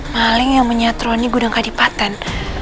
maling yang menyatroni gudang kandipaten